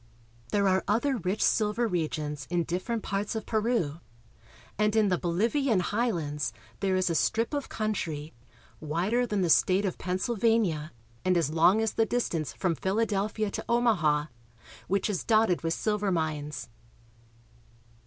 There are other rich silver regions in different parts of Peru, and in the BoHvian highlands there is a strip of country, wider than the state of Pennsylvania, and as long as the distance from Philadelphia to Omaha, which is dotted with silver mines.